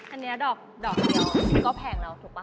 อันนี้ดอกเดียวก็แพงแล้วถูกป่